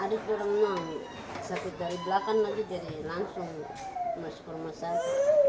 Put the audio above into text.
jadi ada orang yang sakit dari belakang lagi jadi langsung masuk ke rumah sakit